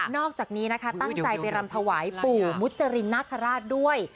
นอกจากนี้ตั้งใจไปรำถวายปู่มุฒรินาฐราชด้วย